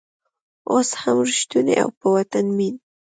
اوس هم رشتونی او په وطن مین